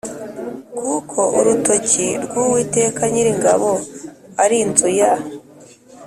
kuko urutoki rw Uwiteka Nyiringabo ari inzu ya